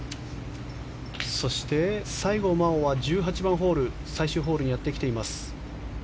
そして西郷真央は１８番ホール最終ホールにやってきています。